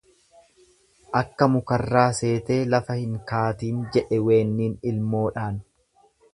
Akka mukarraa seetee lafa hin kaatiin jedhe weenniin ilmoodhaan.